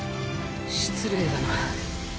失礼だな。